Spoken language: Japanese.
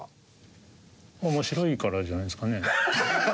面白いからじゃないですかね。